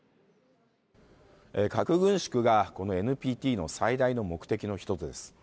核軍縮が、このＮＰＴの最大の目的の１つです。